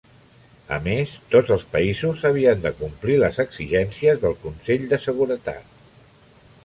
A més, tots els països havien de complir les exigències del Consell de Seguretat.